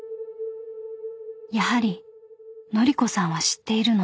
［やはり乃里子さんは知っているのです］